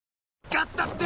ガスだって！